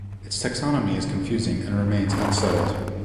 Its taxonomy is confusing and remains unsettled.